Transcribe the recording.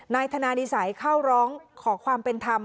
นายธนานิสัยเข้าร้องขอความเป็นธรรม